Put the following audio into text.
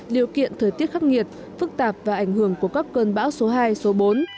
điều kiện thời tiết khắc nghiệt phức tạp và ảnh hưởng của các cơn bão số hai số bốn